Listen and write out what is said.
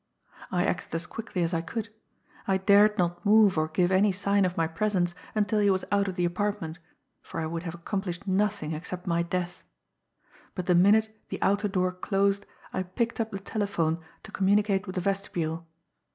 I acted as quickly as I could. I dared not move or give any sign of my presence until he was out of the apartment, for I would have accomplished nothing except my death. But the minute the outer door closed I picked up the telephone to communicate with the vestibule.